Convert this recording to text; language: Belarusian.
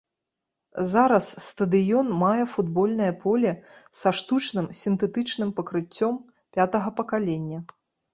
Зараз стадыён мае футбольнае поле са штучным сінтэтычным пакрыццём пятага пакалення.